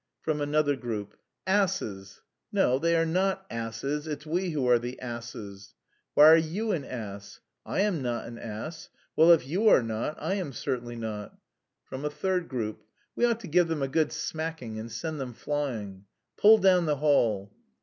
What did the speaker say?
From another group: "Asses!" "No, they are not asses; it's we who are the asses." "Why are you an ass?" "I am not an ass." "Well, if you are not, I am certainly not." From a third group: "We ought to give them a good smacking and send them flying." "Pull down the hall!"